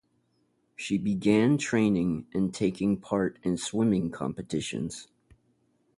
She began training and taking part in swimming competitions.